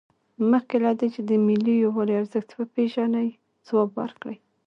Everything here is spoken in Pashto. مخکې له دې چې د ملي یووالي ارزښت وپیژنئ ځواب ورکړئ.